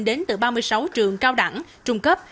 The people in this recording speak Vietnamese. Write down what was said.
đến từ ba mươi sáu trường cao đẳng trung cấp